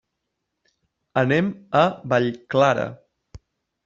Anem a Vallclara.